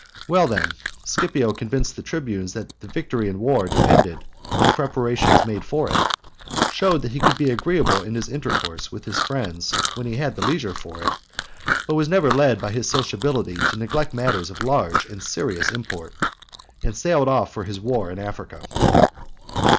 Well then, Scipio convinced the tribunes that victory in war depended on the preparations made for it; showed that he could be agreeable in his intercourse with his friends when he had leisure for it, but was never led by his sociability to neglect matters of large and serious import ; and sailed off for his war in Africa.